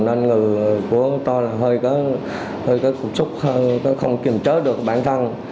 nên người của tôi hơi có cục súc không kiềm trớ được bản thân